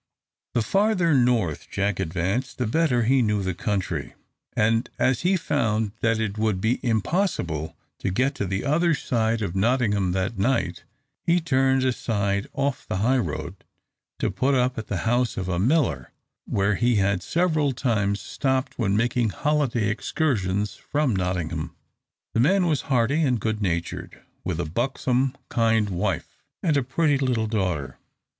The farther north Jack advanced the better he knew the country; and as he found that it would be impossible to get to the other side of Nottingham that night, he turned aside off the high road, to put up at the house of a miller, where he had several times stopped when making holiday excursions from Nottingham. The man was hearty and good natured, with a buxom, kind wife, and a pretty little daughter.